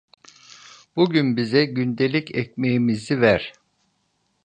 Bugün bize gündelik ekmeğimizi ver.